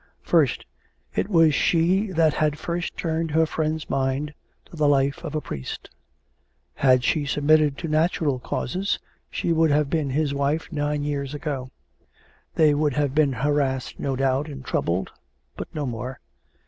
P'irst, it was she that had first turned her friend's mind to the life of a priest. Had she submitted to natural causes, she would have been his wife nine years ago; they would have been harassed no doubt and troubled, but no more.